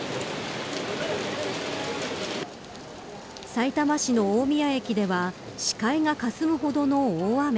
さいたま市の大宮駅では視界がかすむほどの大雨。